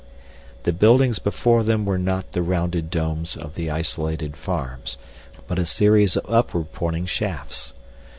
The buildings before them were not the rounded domes of the isolated farms, but a series of upward pointing shafts.